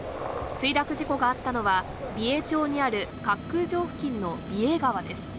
墜落事故があったのは、美瑛町にある滑空場付近の美瑛川です。